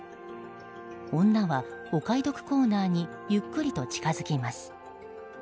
女はお買い得コーナーにゆっくりと近づきます。